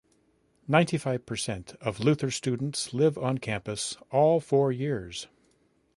Ninety-five percent of Luther students live on campus all four years.